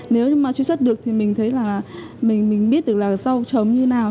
nếu mà truy xuất được thì mình thấy là mình biết được là rau chấm như nào